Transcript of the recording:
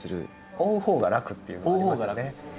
追う方が楽っていうのありますよね。